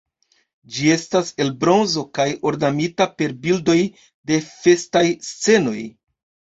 Ĝi estas el bronzo kaj ornamita per bildoj de festaj scenoj.